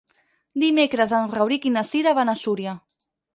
Dimecres en Rauric i na Cira van a Súria.